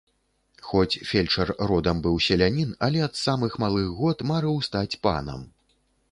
Хоць фельчар родам быў селянін, але ад самых малых год марыў стаць панам.